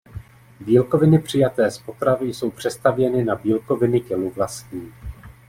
Bílkoviny přijaté z potravy jsou přestavěny na bílkoviny tělu vlastní.